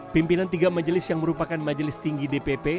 pimpinan tiga majelis yang merupakan majelis tinggi dpp